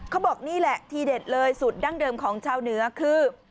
เขาบอกนี่แหละทีเด็ดเลยสูตรดั้งเดิมของชาวเหนือคือ